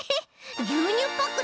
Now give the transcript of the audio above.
ぎゅうにゅうパック